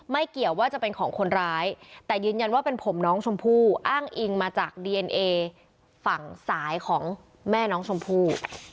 เกี่ยวว่าจะเป็นของคนร้ายแต่ยืนยันว่าเป็นผมน้องชมพู่อ้างอิงมาจากดีเอนเอฝั่งสายของแม่น้องชมพู่